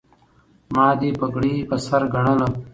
ما دې پګړۍ په سر ګنله